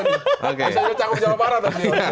bisa dibilang cakup jawa barat